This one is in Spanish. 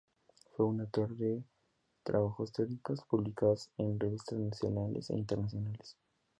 Fue autor de trabajos teóricos publicados en revistas nacionales e internacionales.